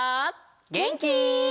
げんき？